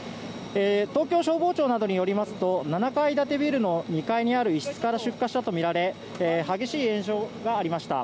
東京消防庁などによりますと７階建てビルの２階の一室から出火したとみられ激しい延焼がありました。